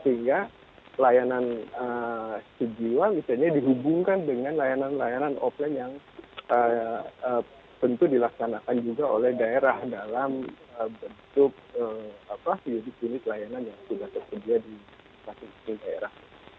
sehingga layanan sejiwa misalnya dihubungkan dengan layanan layanan offline yang tentu dilaksanakan juga oleh daerah dalam bentuk layanan yang sudah terpedaya di daerah